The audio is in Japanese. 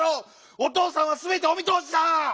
お父さんはすべてお見とおしだ！